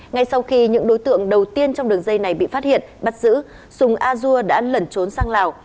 ngay sau khi những đối tượng đầu tiên trong đường dây này bị phát hiện bắt giữ sùng a dua đã lẩn trốn sang lào